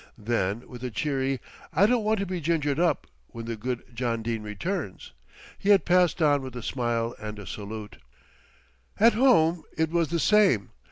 Then with a cheery "I don't want to be gingered up when the good John Dene returns," he had passed on with a smile and a salute. At home it was the same.